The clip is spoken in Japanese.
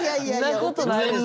んなことないでしょ！